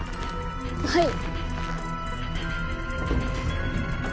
はい。